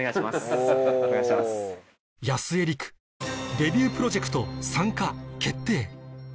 安江律久デビュープロジェクト参加決定